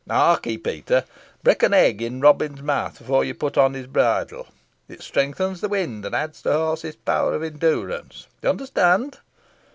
Harkee, Peter, break an egg in Robin's mouth before you put on his bridle. It strengthens the wind, and adds to a horse's power of endurance. You understand?"